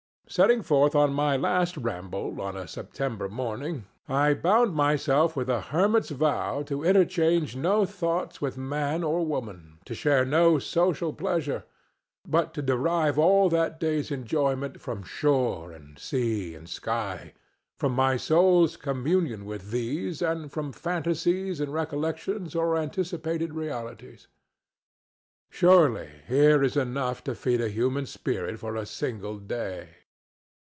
Setting forth at my last ramble on a September morning, I bound myself with a hermit's vow to interchange no thoughts with man or woman, to share no social pleasure, but to derive all that day's enjoyment from shore and sea and sky, from my soul's communion with these, and from fantasies and recollections or anticipated realities. Surely here is enough to feed a human spirit for a single day.